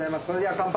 乾杯。